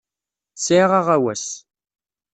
Sɛiɣ aɣawas.